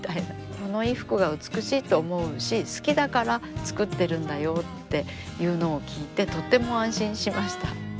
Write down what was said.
「この衣服が美しいって思うし好きだから作ってるんだよ」っていうのを聞いてとっても安心しました。